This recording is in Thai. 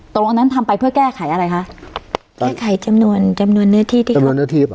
ตรงนั้นทำไปเพื่อแก้ไขอะไรคะแก้ไขจำนวนจำนวนเนื้อที่ที่